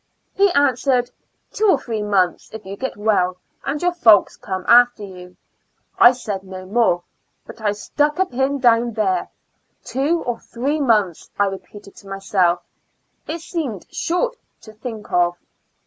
He answered, "Two or three fnonths, if you get well, and your folks come after you." I said no more, but I stuck a pin down there. " Two or three months," I repeated to myself ; it seemed short to think of.